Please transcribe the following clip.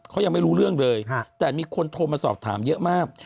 เขายังไม่รู้เรื่องเลยแต่มีคนโทรมาสอบถามเยอะมาก